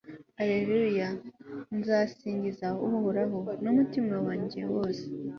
alleluya! nzasingiza uhoraho n'umutima wanjye wose